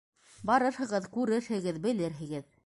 - Барырһығыҙ, күрерһегеҙ, белерһегеҙ.